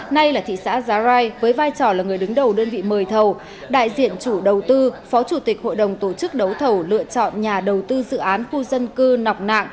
nay là thị xã giá rai với vai trò là người đứng đầu đơn vị mời thầu đại diện chủ đầu tư phó chủ tịch hội đồng tổ chức đấu thầu lựa chọn nhà đầu tư dự án khu dân cư nọc nạng